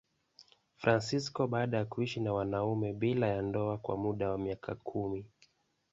Fransisko baada ya kuishi na mwanamume bila ya ndoa kwa muda wa miaka kumi.